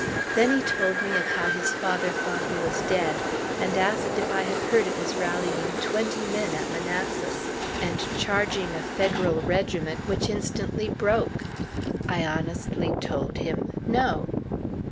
Then he told me of how his father thought he was dead, and asked if I had heard of his rallying twenty men at Manassas, and charging a Federal regiment, which instantly broke? I honestly told him, "No."